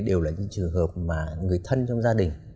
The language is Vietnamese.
đều là những trường hợp mà người thân trong gia đình